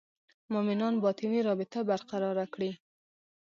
مومنان باطني رابطه برقراره کړي.